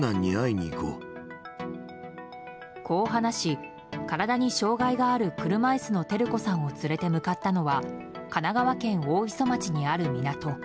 こう話し、体に障害がある車椅子の照子さんを連れて向かったのは神奈川県大磯町にある港。